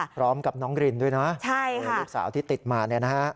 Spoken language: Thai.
พร้อมกับน้องรินด้วยนะลูกสาวที่ติดมาเนี่ยนะฮะ